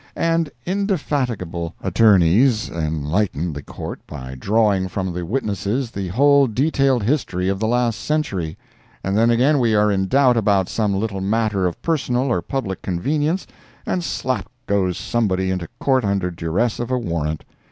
And indefatigable attorneys enlighten the Court by drawing from the witnesses the whole detailed history of the last century. And then again we are in doubt about some little matter of personal or public convenience, and slap goes somebody into Court under duress of a warrant.